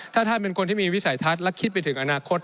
ถ้าท่านเป็นคนที่มีวิสัยทัศน์และคิดไปถึงอนาคต